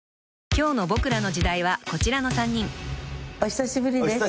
［今日の『ボクらの時代』はこちらの３人］お久しぶりです。